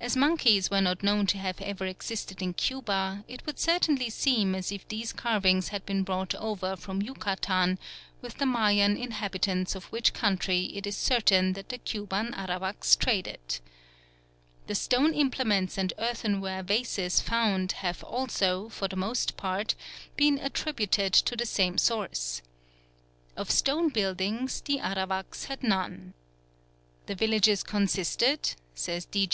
As monkeys were not known to have ever existed in Cuba, it would certainly seem as if these carvings had been brought over from Yucatan, with the Mayan inhabitants of which country it is certain that the Cuban Arawaks traded. The stone implements and earthenware vases found have also, for the most part, been attributed to the same source. Of stone buildings the Arawaks had none. "The villages consisted," says D. G.